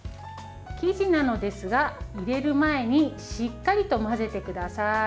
生地なのですが、入れる前にしっかりと混ぜてください。